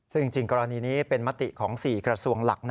ซึ่งจริงกรณีนี้เป็นมติของ๔กระทรวงหลัก